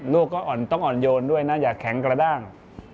ลูกก็ต้องอ่อนโยนด้วยนะอย่าแข็งกระด้าง